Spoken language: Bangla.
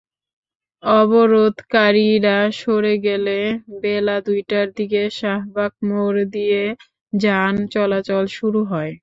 অবরোধকারীরা সরে গেলে বেলা দুইটার দিকে শাহবাগ মোড় দিয়ে যান চলাচল শুরু হয়।